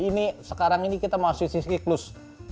ini sekarang ini kita masuk ke siklus